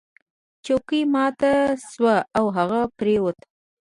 چوکۍ ماته شوه او هغه پریوت.